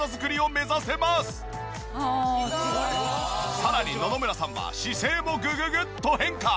さらに野々村さんは姿勢もグググッと変化！